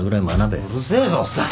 うるせえぞおっさん。